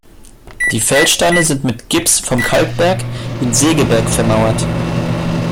Die Feldsteine sind mit Gips vom Kalkberg in Segeberg vermauert.